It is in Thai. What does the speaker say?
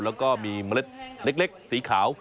แล้วก็มีเมล็ดเล็กสีขาว